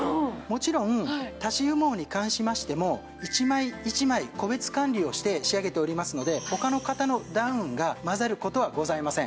もちろん足し羽毛に関しましても１枚１枚個別管理をして仕上げておりますので他の方のダウンが混ざる事はございません。